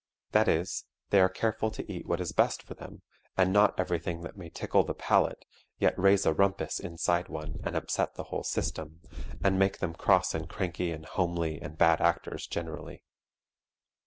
That is, they are careful to eat what is best for them, and not everything that may tickle the palate yet raise a rumpus inside one and upset the whole system, and make them cross and cranky and homely and bad actors generally.